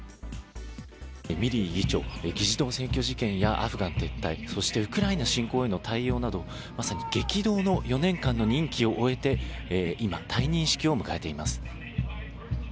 ミリー議長、議事堂占拠事件や、アフガン撤退、そしてウクライナ侵攻への対応など、まさに激動の４年間の任期を終えて、今、退任式を迎えています。